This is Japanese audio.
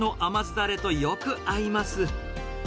だれとよく合います。